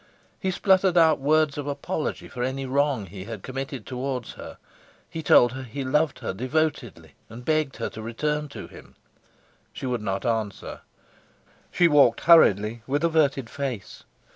He spluttered out words of apology for any wrong he had committed towards her; he told her he loved her devotedly and begged her to return to him. She would not answer; she walked hurriedly, with averted face.